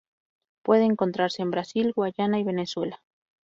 Puede encontrarse en Brasil, Guayana y Venezuela.